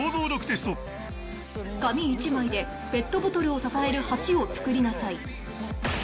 紙一枚でペットボトルを支える橋を作りなさい